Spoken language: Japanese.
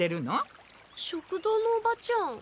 食堂のおばちゃん。